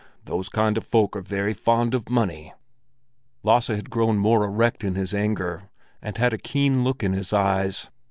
Those kind of folk are very fond of money." Lasse had grown more erect in his anger, and had a keen look in his eyes.